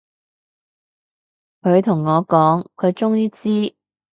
佢同我講，佢終於知